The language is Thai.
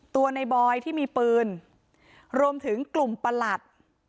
ตัวในบอยที่มีปืนรวมถึงกลุ่มประหลัด